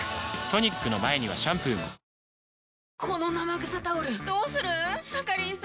トニックの前にはシャンプーもこの生臭タオルどうする仲里依紗